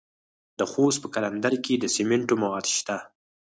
د خوست په قلندر کې د سمنټو مواد شته.